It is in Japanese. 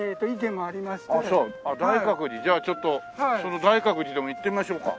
じゃあちょっとその大覚寺でも行ってみましょうか。